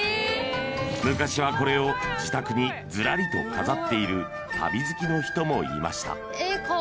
［昔はこれを自宅にずらりと飾っている旅好きの人もいました］